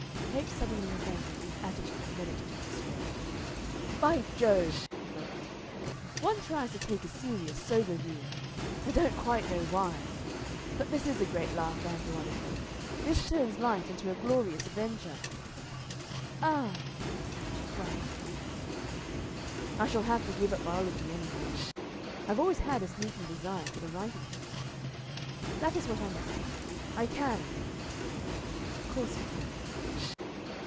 Capes suddenly abandoned his attitude of meditative restraint. "By Jove!" he broke out, "one tries to take a serious, sober view. I don't quite know why. But this is a great lark, Ann Veronica! This turns life into a glorious adventure!" "Ah!" she cried in triumph. "I shall have to give up biology, anyhow. I've always had a sneaking desire for the writing trade. That is what I must do. I can." "Of course you can."